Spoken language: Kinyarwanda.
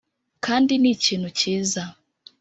kandi ni ikintu cyiza;